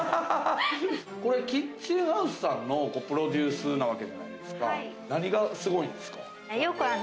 これキッチンハウスさんのプロデュースなわけじゃないですか。